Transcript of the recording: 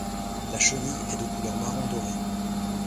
La chenille est de couleur marron doré.